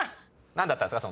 何だったんですか？